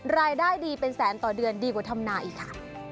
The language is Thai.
รายได้ดีเป็นแสนต่อเดือนดีกว่าธรรมนาอีกค่ะ